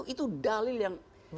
itu dalil yang